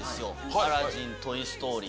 アラジン、トイ・ストーリー。